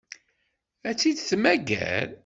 Ad tt-id-temmager?